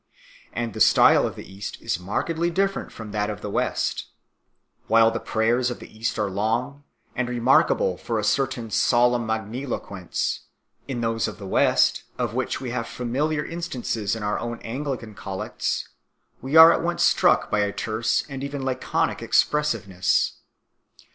And the style of the East is markedly different from that of the West. While the prayers of the East are long, and remarkable for a certain solemn magniloquence, in those of the West, of which we have familiar instances in our own Anglican Collects, we are at once struck by a terse and even laconic expressiveness.